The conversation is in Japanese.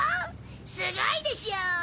すごいでしょ。